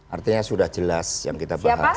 artinya sudah jelas yang kita bahas